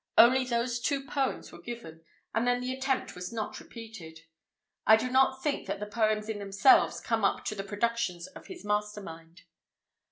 Only those two poems were given, and then the attempt was not repeated. I do not think that the poems in themselves come up to the productions of his master mind.